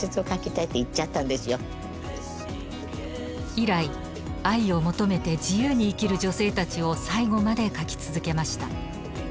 以来愛を求めて自由に生きる女性たちを最期まで書き続けました。